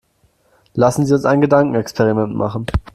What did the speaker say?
Lassen Sie uns ein Gedankenexperiment machen.